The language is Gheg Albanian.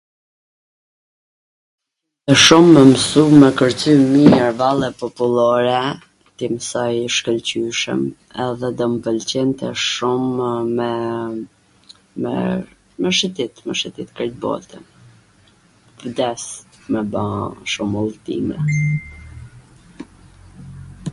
shum me msu me kwrcy mir valle popullore, t'i msoj shkwlqyshwm edhe do m pwlqente shumw me shwtit, me shwtit krejt botwn. Vdes me ba shum udhtime